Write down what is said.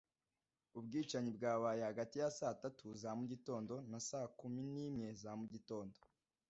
Ubwicanyi bwabaye hagati ya saa tatu za mugitondo na saa kumi n'imwe za mugitondo